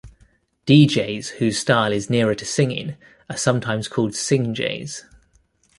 Deejays whose style is nearer to singing are sometimes called singjays.